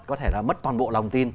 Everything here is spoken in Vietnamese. có thể là mất toàn bộ lòng tin